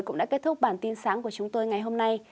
cũng đã kết thúc bản tin sáng của chúng tôi ngày hôm nay